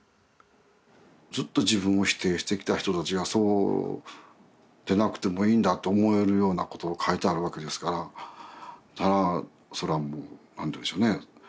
ずっと自分を否定してきた人たちがそうでなくてもいいんだと思えるようなことを書いてあるわけですからそれはもう安堵でしょうね